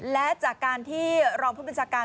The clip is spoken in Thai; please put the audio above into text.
และจากการที่รองผู้บัญชาการ